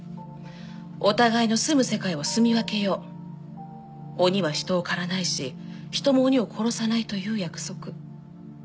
「お互いのすむ世界をすみ分けよう」「鬼は人を狩らないし人も鬼を殺さない」という約束。